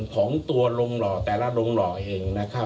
ของตัวโรงรอแต่ละโรงรอเอง